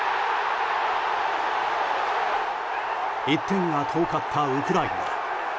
１点が遠かったウクライナ。